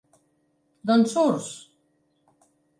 D'on surts?